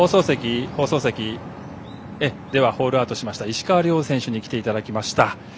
放送席、ホールアウトした石川遼選手に来ていただきました。